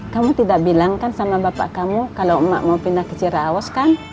kamu tidak bilang kan sama bapak kamu kalau emak mau pindah ke cirawas kan